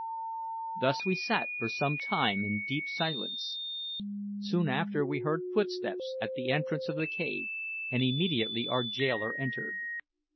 Thus we sat for some time in deep silence. Soon after we heard footsteps at the entrance of the cave, and immediately our jailer entered.